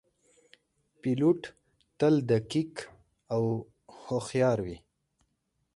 پیلوټ تل دقیق او هوښیار وي.